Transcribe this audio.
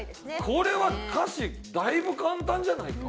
これは歌詞だいぶ簡単じゃないか？